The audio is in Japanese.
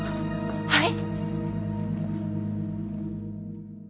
はい？